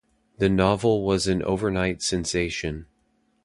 The novel was an overnight sensation.